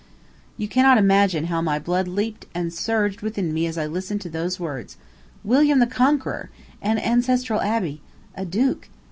You cannot imagine how my blood leaped and surged within me as I listened to those words. William the Conqueror! An ancestral abbey! A duke!